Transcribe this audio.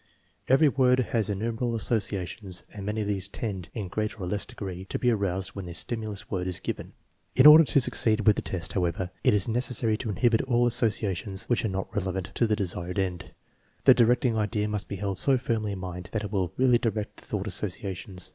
Every word has in numerable associations and many of these tend, in greater or less degree, to be aroused when the stimulus word is given. In order to succeed with the test, however, it is necessary to inhibit all associations which are not relevant 250 THE MEASUREMENT OF INTELLIGENCE to the desired end. The directing idea must be held so firmly in mind that it will really direct the thought asso ciations.